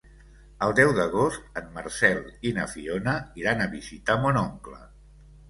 El deu d'agost en Marcel i na Fiona iran a visitar mon oncle.